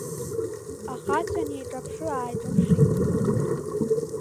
Ахацәа неиҿаԥшы-ааиҿаԥшит.